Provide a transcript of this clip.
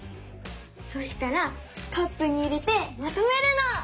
そしたらカップに入れてまとめるの！